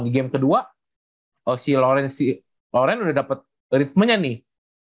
di game kedua si orange udah dapet ritmenya nih